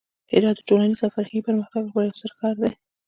هرات د ټولنیز او فرهنګي پرمختګ لپاره یو ستر ښار دی.